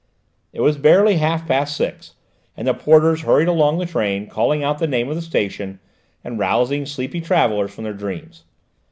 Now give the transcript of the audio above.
It was barely half past six, and the porters hurried along the train, calling out the name of the station, and rousing sleepy travellers from their dreams.